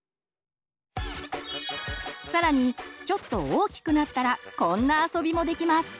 更にちょっと大きくなったらこんな遊びもできます！